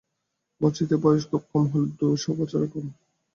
মসজিদের বয়স খুব কম হলেও দু, শ বছরের কম হবে না।